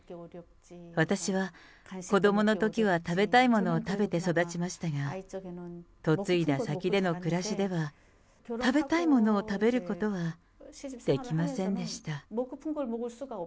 私は子どものときは食べたいものを食べて育ちましたが、嫁いだ先での暮らしでは、食べたいものを食べることはできませんでした。